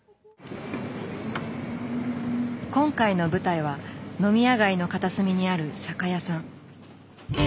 今回の舞台は飲み屋街の片隅にある酒屋さん。